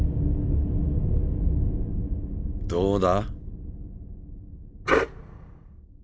どうだ？